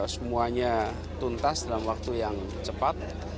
semuanya tuntas dalam waktu yang cepat